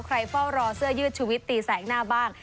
เฝ้ารอเสื้อยืดชีวิตตีแสกหน้าบ้าง